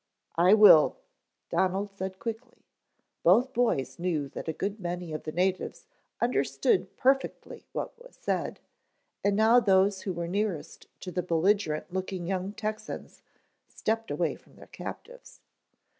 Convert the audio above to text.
"I will," Donald said quickly. Both boys knew that a good many of the natives understood perfectly what was said, and now those who were nearest to the belligerent looking young Texans stepped away from their captives.